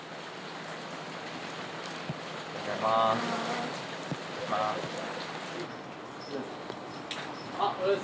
おはようございます。